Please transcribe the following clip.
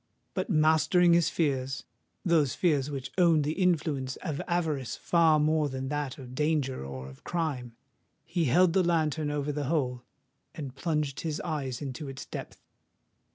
But mastering his fears,—those fears which owned the influence of avarice far more than that of danger or of crime,—he held the lantern over the hole, and plunged his eyes into its depth.